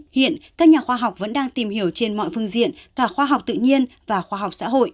hiện các nhà khoa học vẫn đang tìm hiểu trên mọi phương diện cả khoa học tự nhiên và khoa học xã hội